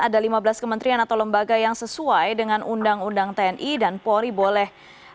ada lima belas kementerian atau lembaga yang sesuai dengan undang undang tni dan polri boleh